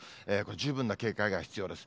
十分な警戒が必要です。